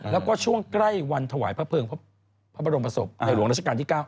แล้วก็ช่วงใกล้วันถวายพระเพิงพระบรมศพในหลวงราชการที่๙